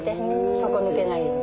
底抜けないように。